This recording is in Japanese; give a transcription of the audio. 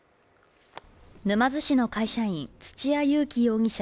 沼津市の会社員、土屋勇貴容疑者